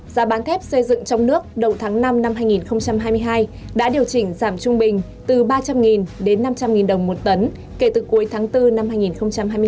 giá bán thép xây dựng trong nước đầu tháng năm năm hai nghìn hai mươi hai đã điều chỉnh giảm trung bình từ ba trăm linh đến năm trăm linh đồng một tấn kể từ cuối tháng bốn năm hai nghìn hai mươi bốn